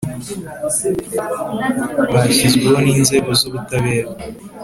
Byashyizweho n inzego z ubutabera